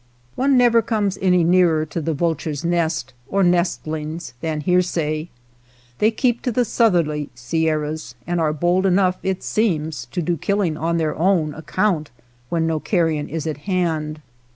One never comes any nearer to the vul 52 THE SCAVENGERS ture's nest or nestlings than hearsay. They keep to the southerly Sierras, and are bold enough, it seems, to do killing on their own account when no carrion is at hand.